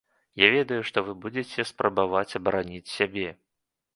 Я ведаю, што вы будзеце спрабаваць абараніць сябе.